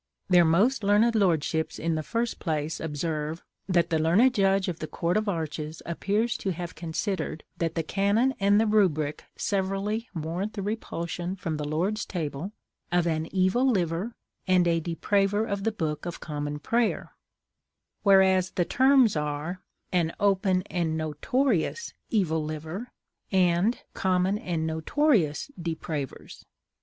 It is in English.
Their most learned lordships in the first place observe that the learned judge of the Court of Arches appears to have considered that the canon and the rubric severally warrant the repulsion from the Lord's table of "an evil liver," and "a depraver of the Book of Common Prayer," whereas the terms are "an open and notorious evil liver," and "common and notorious depravers."